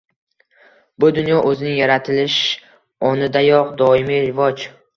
Bu dunyo o‘zining yaratilish onidayoq doimiy rivoj